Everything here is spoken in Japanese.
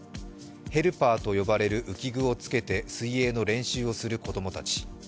ヘルパーと呼ばれる浮き具をつけて水泳の練習をする子供たち。